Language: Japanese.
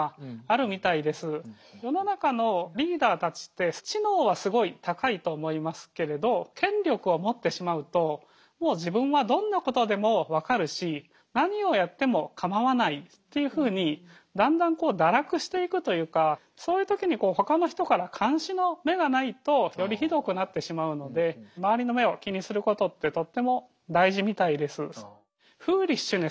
世の中のリーダーたちって知能はすごい高いと思いますけれど権力を持ってしまうともう自分はどんなことでも分かるし何をやっても構わないっていうふうにだんだん堕落していくというかそういう時にほかの人から監視の目がないとよりひどくなってしまうので周りの目を気にすることってとっても大事みたいです。